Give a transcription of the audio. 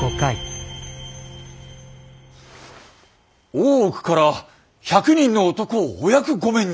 大奥から１００人の男をお役御免に？